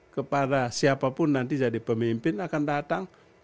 kepada siapapun nanti jadi pemimpin akan datang